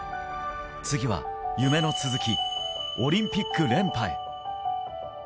次は夢の続き、オリンピック連覇へ。